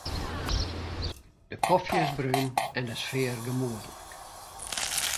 De kofje is brún en de sfear gemoedlik.